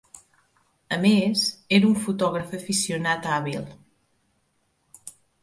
A més, era un fotògraf aficionat hàbil.